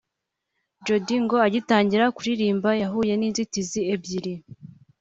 Jody ngo agitangira kuririmba yahuye n’inzitizi ebyiri